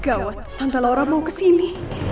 gawat tante laura mau kesini